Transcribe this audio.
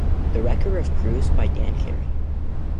The record was produced by Dan Carey.